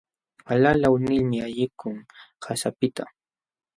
Alalaw nilmi ayqikun qasapiqta.